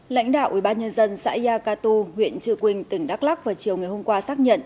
lãnh đạo ubnd xã yacatu huyện trừ quỳnh tỉnh đắk lắc vào chiều ngày hôm qua xác nhận